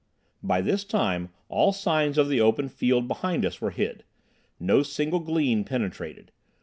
By this time all signs of the open field behind us were hid. No single gleam penetrated.